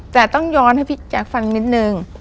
แต่ต้องย้อนให้พี่แจ๊คฟังนิดนึง